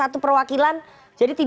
mas toto apakah lazimnya harusnya ada skocie